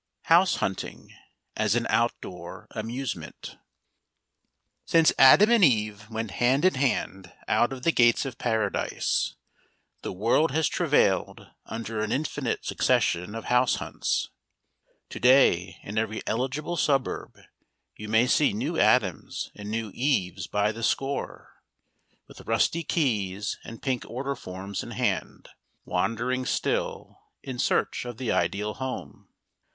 HOUSE HUNTING AS AN OUTDOOR AMUSEMENT Since Adam and Eve went hand in hand out of the gates of Paradise, the world has travailed under an infinite succession of house hunts. To day in every eligible suburb you may see New Adams and New Eves by the score, with rusty keys and pink order forms in hand, wandering still, in search of the ideal home.